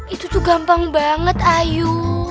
itu tuh gampang banget ayu